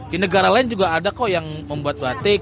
di negara lain juga ada kok yang membuat batik